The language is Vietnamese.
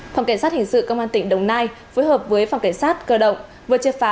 phòng cảnh sát hình sự công an tỉnh đồng nai phối hợp với phòng cảnh sát cơ động vừa triệt phá